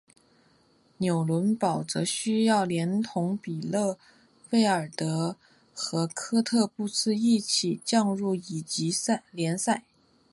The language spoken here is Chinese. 纽伦堡则需要连同比勒费尔德和科特布斯一起降入乙级联赛。